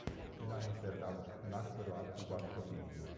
In Amsterdam, nacquero altri quattro figli.